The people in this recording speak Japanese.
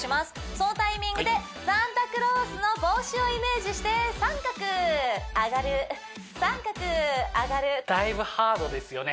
そのタイミングでサンタクロースの帽子をイメージして三角上がる三角上がるだいぶハードですよね